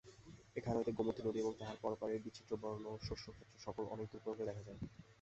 এখান হইতে গোমতী নদী এবং তাহার পরপারের বিচিত্রবর্ণ শস্যক্ষেত্রসকল অনেক দূর পর্যন্ত দেখা যায়।